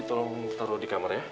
tolong taruh di kamar ya